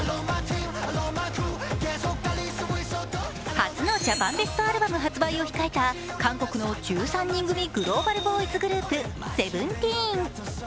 初のジャパンベストアルバム発売を控えた韓国の１３人組グローバルボーイズグループ、ＳＥＶＥＮＴＥＥＮ。